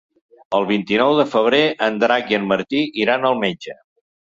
El vint-i-nou de febrer en Drac i en Martí iran al metge.